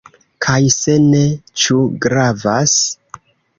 Kaj se ne, ĉu gravas?